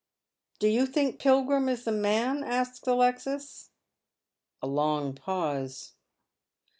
" Do you think Pilgrim is the man ?" asks Alexis. A long pause.